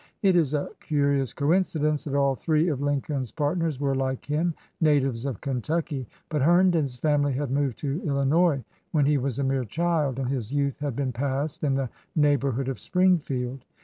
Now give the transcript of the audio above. It is a curious coincidence that all three of Lincoln's partners were, like him, natives of Kentucky; but Herndon's family had moved to Illinois when he was a mere child, and his youth had been passed in the neighborhood of Spring field.